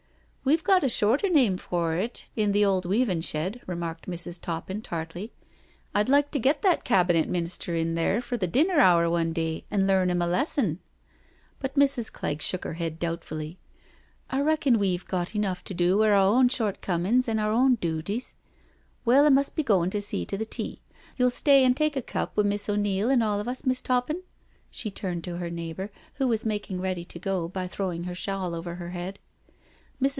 " We've got a shorter name for it in the old weavin' shed," remarked Mrs, Toppin tartly. "I'd like to get that Cabinet Minister in there for the dinner hour one day and learn him a lesson.'* But Mrs. Clegg shook her head doubtfully. " I reckon we've got enough to do wi' our own shortcomin's and our own dooties. Well, I must be goin' to see to the tea. You'll stay an' tak a cup wi* Miss O'Neil an' all of us. Miss' Toppin?" She turned to her neighbour, wh^ was making ready to go by throwing her shawl over her head. Mrs.